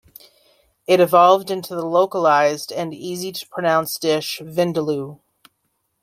It evolved into the localized and easy-to-pronounce dish "vindaloo".